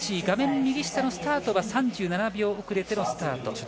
画面右下のスタートは３７秒遅れてのスタート。